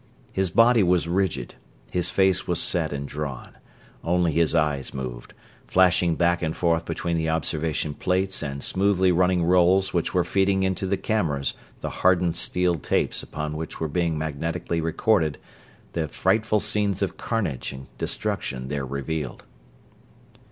His body was rigid, his face was set and drawn. Only his eyes moved: flashing back and forth between the observation plates and smoothly running rolls which were feeding into the cameras the hardened steel tapes upon which were being magnetically recorded the frightful scenes of carnage and destruction there revealed.